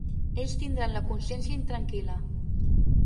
Ells tindran la consciència intranquil·la.